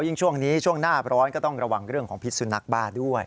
ช่วงนี้ช่วงหน้าร้อนก็ต้องระวังเรื่องของพิษสุนัขบ้าด้วย